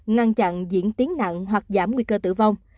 ngăn chặn diễn tiến nặng hoặc giảm nguy cơ tử vong